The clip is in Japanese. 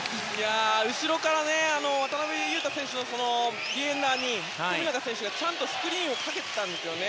後ろから渡邊雄太選手のディフェンダーに富永選手がちゃんとスクリーンをかけていたんですよね。